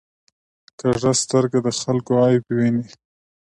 کوږه سترګه د خلکو عیب ویني